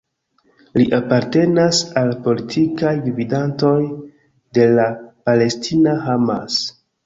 Li apartenas al politikaj gvidantoj de la palestina Hamas.